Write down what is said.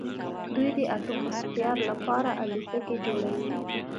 دوی د اتموسفیر لپاره الوتکې جوړوي.